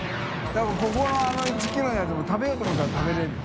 海海あの１ｋｇのやつも食べようと思ったら食べれるよ。